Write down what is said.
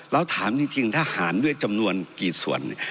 เราถามจริงทหารด้วยจำนวนกี่ส่วน